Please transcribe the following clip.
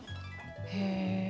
へえ。